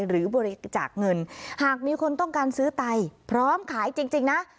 หรือบริจาคเงินหากมีคนต้องการซื้อไตพร้อมขายจริงนะ